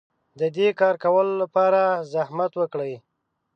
د دې کار کولو لپاره زحمت وکړئ.